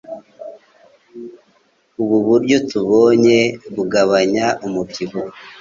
Ubu buryo tubonye bugabanya umubyibuho